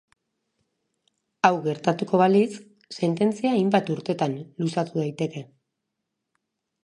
Hau gertatuko balitz, sententzia hainbat urtetan luzatu daiteke.